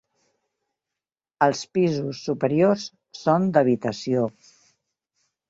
Els pisos superiors són d'habitació.